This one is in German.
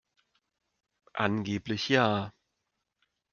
Angeblich ja.